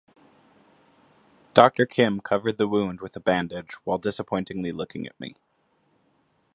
Doctor Kim covered the wound with a bandage while disappointingly looking at me.